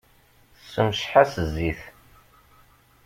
Ssemceḥ-as zzit.